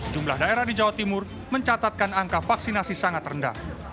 jumlah daerah di jawa timur mencatatkan angka vaksinasi sangat rendah